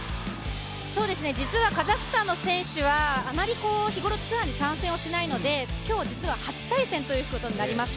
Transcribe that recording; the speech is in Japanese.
実はカザフスタンの選手はあまり、日頃ツアーに参戦をしないので、今日、実は初対戦ということになります。